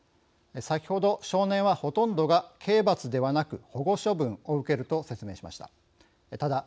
先ほど、少年はほとんどが刑罰ではなく保護処分を受けると説明しました。